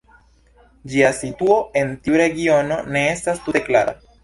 Ĝia situo en tiu regiono ne estas tute klara.